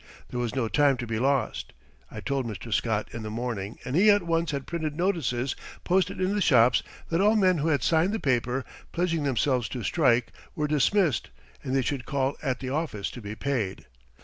There was no time to be lost. I told Mr. Scott in the morning and he at once had printed notices posted in the shops that all men who had signed the paper, pledging themselves to strike, were dismissed and they should call at the office to be paid.